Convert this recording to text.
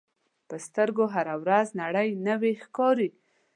په سترګو هره ورځ نړۍ نوې ښکاري